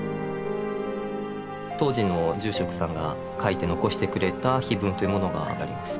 当時の住職さんが書いて残してくれた碑文というものがあります。